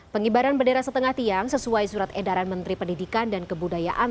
pengibaran bendera setengah tiang sesuai surat edaran menteri pendidikan dan kebudayaan